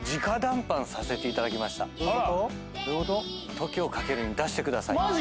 「『ＴＯＫＩＯカケル』に出してください。